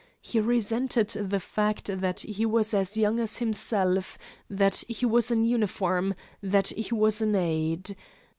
He resented the fact that he was as young as himself, that he was in uniform, that he was an aide.